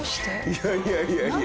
いやいやいやいや。